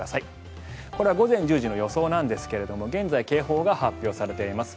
午前１０時の予想なんですが現在、警報が発表されています。